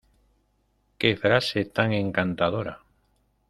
Qué frase tan encantadora...